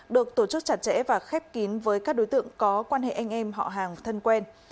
được tổ chức chặt chẽ và khép kín với các đối tượng có quan hệ anh em họ hàng thân quen